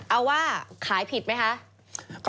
เอาว่าขายผิดไหมคะ